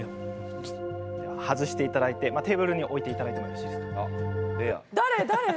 外していただいてテーブルに置いていただいてもよろしいですか？